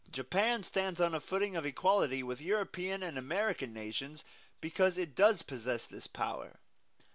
Japan stands on a footing of equality with European and American nations because it does possess this power.